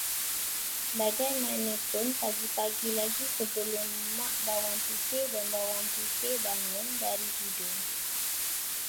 Bagaimanapun pagi-pagi lagi sebelum Mak Bawang Putih dan Bawang Putih bangun dari tidur